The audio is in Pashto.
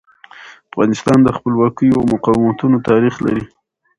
افغانستان د خپلواکیو او مقاومتونو تاریخ لري.